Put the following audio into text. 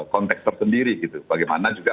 konteks tersendiri gitu bagaimana juga